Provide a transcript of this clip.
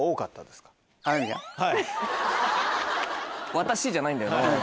「私」じゃないんだよな。